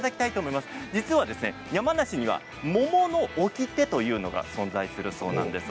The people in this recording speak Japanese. いつも山梨には桃のおきてというのが存在するそうなんです。